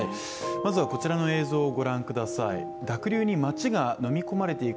まずはこちらの映像をご覧ください。